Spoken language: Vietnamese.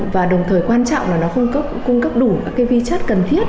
và đồng thời quan trọng là nó không cung cấp đủ vi chất cần thiết